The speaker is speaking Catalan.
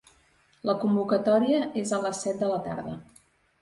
La convocatòria és a les set de la tarda.